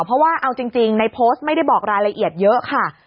เพราะว่าเอาจริงในโพสต์ไม่ได้บอกรายละเอียดเยอะค่ะ